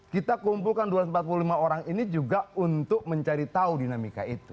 kita kumpulkan dua ratus empat puluh lima orang ini juga untuk mencari tahu dinamika itu